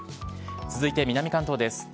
続いて南関東です。